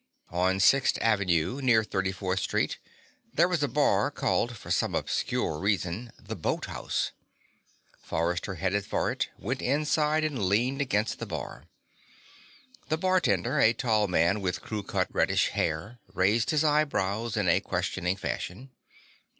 On Sixth Avenue, near 34th Street, there was a bar called, for some obscure reason, the Boat House. Forrester headed for it, went inside and leaned against the bar. The bartender, a tall man with crew cut reddish hair, raised his eyebrows in a questioning fashion.